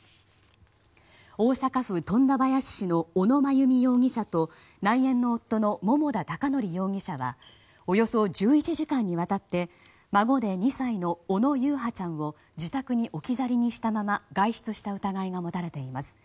大阪府富田林市の小野真由美容疑者と内縁の夫の桃田貴徳容疑者はおよそ１１時間にわたって孫で２歳の小野優陽ちゃんを自宅に置き去りにしたまま外出した疑いが持たれています。